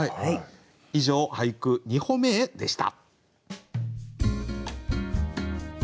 以上「俳句、二歩目へ」でした。